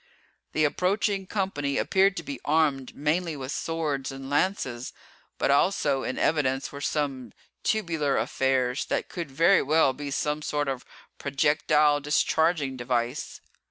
The approaching company appeared to be armed mainly with swords and lances, but also in evidence were some tubular affairs that could very well be some sort of projectile discharging device.